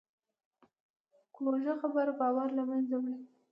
کوږه خبره باور له منځه وړي